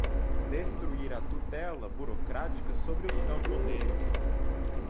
destruir a tutela burocrática sobre os camponeses